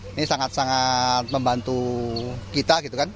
ini sangat sangat membantu kita